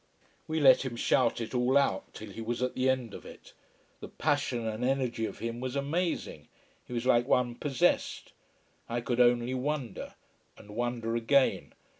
We let him shout it all out, till he was at the end of it. The passion and energy of him was amazing. He was like one possessed. I could only wonder. And wonder again.